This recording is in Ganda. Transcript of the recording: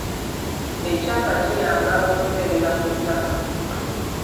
Ekyapa kiyamba okunywerera ku ttaka.